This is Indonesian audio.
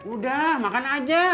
udah makan aja